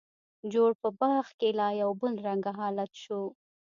جوړ په باغ کې لا یو بل رنګه حالت شو.